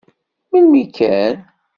Melmi kan.